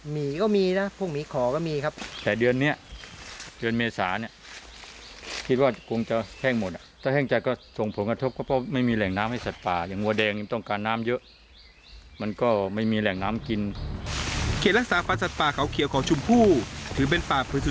หมี่ก็มีนะพวกหมี่ขอก็มีครับครับ